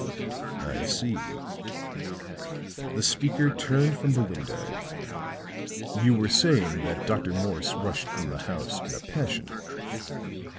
"I see." The speaker turned from the window. "You were saying that Dr. Morse rushed from the house in a passion."